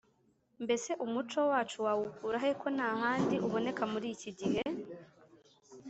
mbese umuco wacu wawukura he ko nta handi uboneka muri iki gihe !